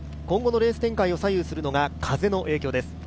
今後のレース展開を左右するのが風の影響です。